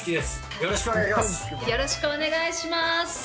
よろしくお願いします。